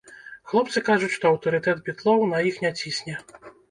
Хлопцы кажуць, што аўтарытэт бітлоў на іх не цісне.